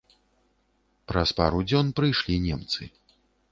Праз пару дзён прышлі немцы.